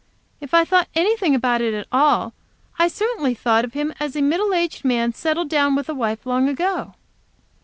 If I thought anything about it at all, I certainly thought of him as a middle aged man, settled down with a wife, long ago.